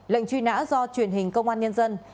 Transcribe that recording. lệnh truy nã do truyền hình công an nhân dân